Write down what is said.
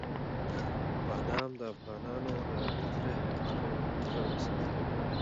بادام د افغانانو د تفریح لپاره یوه ګټوره وسیله ده.